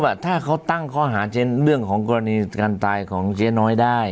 ว่าถ้าเขาตั้งข้อหาเรื่องของกรณีการตายของเจ๊น้อยได้